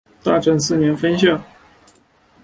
大正四年分校。